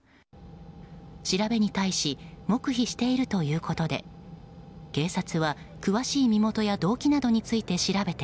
調べに対し黙秘しているということで警察は詳しい身元や動機などについて